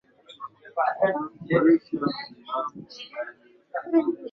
Fisi walivamia vijana wale